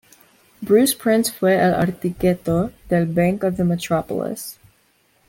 Bruce Price fue el arquitecto del Bank of the Metropolis.